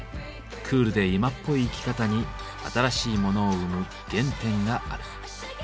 クールで今っぽい生き方に新しいモノを生む原点がある。